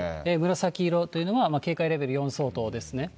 紫色というのが、警戒レベル４相当ですね。